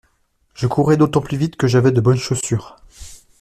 Je courais d’autant plus vite que j’avais de bonnes chaussures.